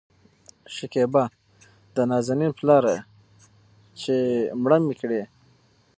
شکيبا : د نازنين پلاره چې مړه مې کړې